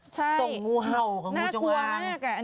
ใช่น่ากลัวมาก